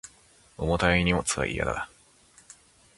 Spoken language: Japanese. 重たい荷物は嫌だ